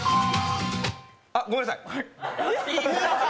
あっごめんなさい。